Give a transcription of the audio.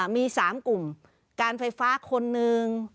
มี๓กลุ่มการไฟฟ้าคนหนึ่ง